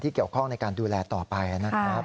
เกี่ยวข้องในการดูแลต่อไปนะครับ